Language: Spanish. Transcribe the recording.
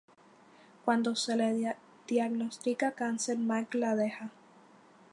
Cuando se le diagnostica cáncer, Mark la deja.